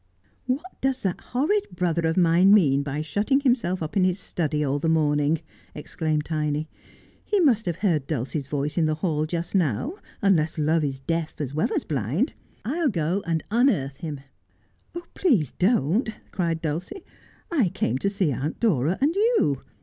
'What does that horrid brother of mine mean by shutting himself up in his study all the morning 1 ' exclaimed Tiny. ' He must have heard Dulcie's voice in the hall just now, unless love is deaf as well as blind ! I'll go and unearth him.' ' Please don't,' cried Dulcie ;' I came to see Aunt Dora and you.